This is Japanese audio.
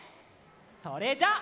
それじゃあ。